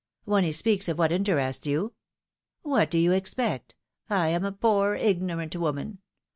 When he speaks of what interests you." What do you expect? I am a poor, ignorant woman.